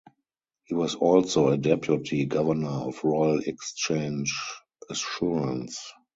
He was also a deputy-governor of Royal Exchange Assurance.